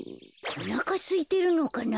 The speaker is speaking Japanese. おなかすいてるのかな？